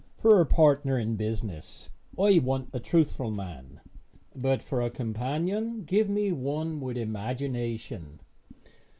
For a partner in business I want a truthful man, but for a companion give me one with imagination.